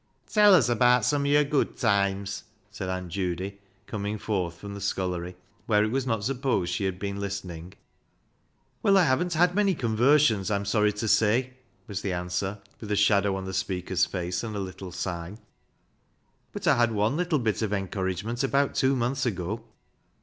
" Tell uz abaat some of yore good toimes," said Aunt Judy, coming forth from the scullery, where it was not supposed she had been listening. "Well, I haven't had many conversions, I'm sorry to say," was the answer, with a shadov/ on the speaker's face, and a little sigh, " but I had one little bit of encouragement about two months ago.